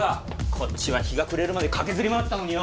こっちは日が暮れるまで駆けずり回ってたのによ。